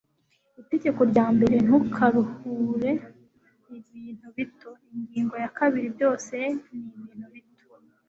Itegeko rya mbere: Ntukaruhure ibintu bito. Ingingo ya kabiri: Byose ni ibintu bito. ”